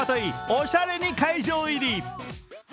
おしゃれに会場入り。